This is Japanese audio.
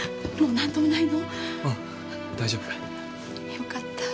良かった。